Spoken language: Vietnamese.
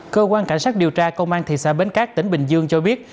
cơ quan cảnh sát điều tra công an thị xã bến cát tỉnh bình dương cho biết